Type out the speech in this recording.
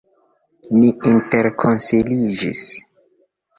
Ni interkonsiliĝis.